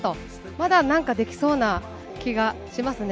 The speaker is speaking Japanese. まだなんかできそうな気がしますね。